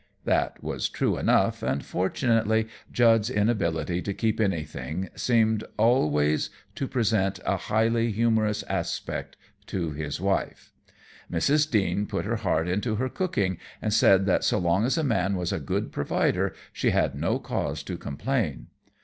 That was true enough, and fortunately Jud's inability to keep anything seemed always to present a highly humorous aspect to his wife. Mrs. Deane put her heart into her cooking, and said that so long as a man was a good provider she had no cause to complain.